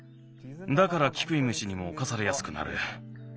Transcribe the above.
だからキクイムシにもおかされやすくなる。